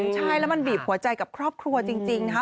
ใช่แล้วมันบีบหัวใจกับครอบครัวจริงนะคะ